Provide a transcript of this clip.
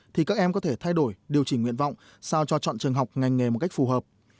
thì các em có thể thay đổi điều chỉnh nguyện vọng sao cho chọn trường học ngành nghề một cách phù hợp